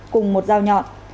cùng một dao nhọn